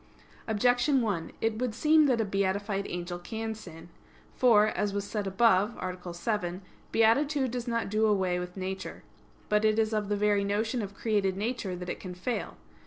Objection 1: It would seem that a beatified angel can sin. For, as as said above (A. 7), beatitude does not do away with nature. But it is of the very notion of created nature, that it can fail.